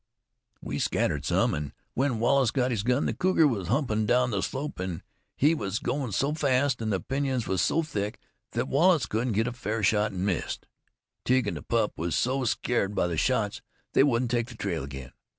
We scattered some, an' when Wallace got his gun, the cougar was humpin' down the slope, an' he was goin' so fast an' the pinyons was so thick thet Wallace couldn't get a fair shot, an' missed. Tige an' the pup was so scared by the shots they wouldn't take the trail again.